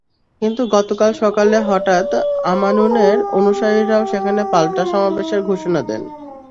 কিন্তু গতকাল সকালে হঠাৎ আমানুরের অনুসারীরাও সেখানে পাল্টা সমাবেশের ঘোষণা দেন।